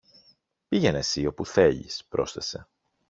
Πήγαινε συ όπου θέλεις, πρόσθεσε